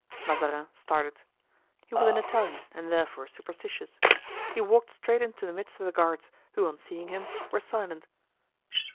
Mazarin started. He was an Italian and therefore superstitious. He walked straight into the midst of the guards, who on seeing him were silent.